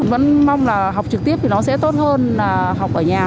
vẫn mong là học trực tiếp thì nó sẽ tốt hơn là học ở nhà